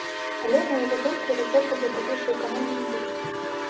Але, на яго думку рэзервы для далейшай эканоміі ёсць.